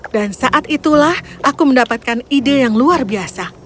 dan saat itulah aku mendapatkan ide yang luar biasa